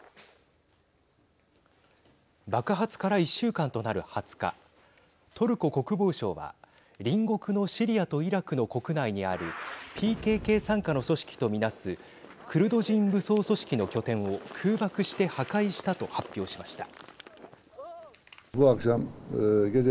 爆発から１週間となる２０日トルコ国防省は隣国のシリアとイラクの国内にあるＰＫＫ傘下の組織と見なすクルド人武装組織の拠点を空爆して破壊したと発表しました。